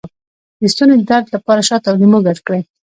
د ستوني درد لپاره شات او لیمو ګډ کړئ